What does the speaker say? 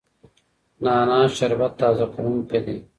نعنا شربت تازه کوونکی دی.